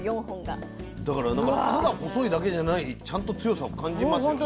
だからなんかただ細いだけじゃないちゃんと強さを感じますよね